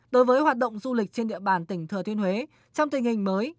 đối với hoạt động du lịch trên địa bàn tỉnh thừa thiên huế trong tình hình mới